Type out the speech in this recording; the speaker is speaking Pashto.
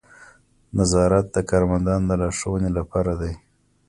نظارت د کارمندانو د لارښوونې لپاره دی.